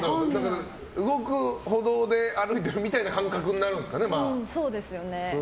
動く歩道で歩いてるみたいな感覚になるんですかね。